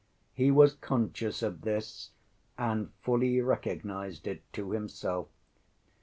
He was conscious of this and fully recognized it to himself.